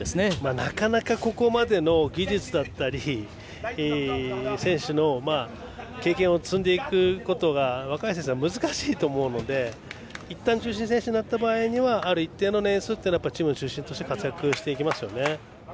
なかなかここまでの技術だったり選手経験を積んでいくことが若い選手は難しいと思うのでいったん中心選手になった場合ある一定の年数はチームの中心として活躍していきますね。